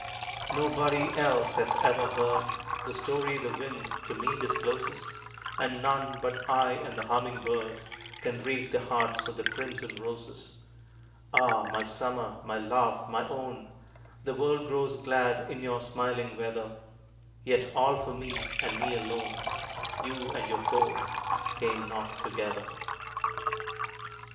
Nobody else has ever heard The story the Wind to me discloses; And none but I and the humming bird Can read the hearts of the crimson roses. Ah, my Summer my love my own! The world grows glad in your smiling weather; Yet all for me, and me alone, You and your Court came north together.